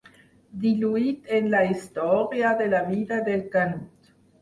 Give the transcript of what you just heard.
Diluït en la història de la vida del Canut.